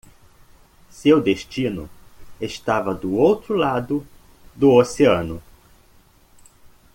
Seu destino estava do outro lado do oceano